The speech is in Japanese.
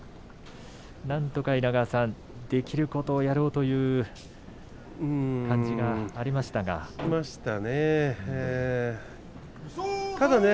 稲川さん、なんとかできることをやろうという感じがありましたね。